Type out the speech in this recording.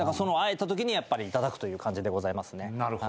あえたときにやっぱりいただくという感じでございます。